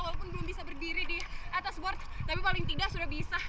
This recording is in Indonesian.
walaupun belum bisa berdiri di atas board tapi paling tidak sudah bisa